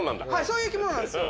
そういう生き物なんすよ。